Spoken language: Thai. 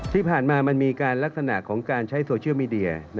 ที่ผ่านมามันมีการลักษณะของการใช้โซเชียลมีเดีย